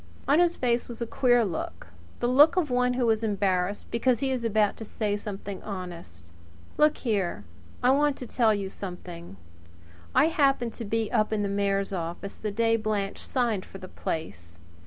On his face was a queer look the look of one who is embarrassed because he is about to say something honest. "Look here! I want to tell you something: I happened to be up in the mayor's office the day Blanche signed for the place.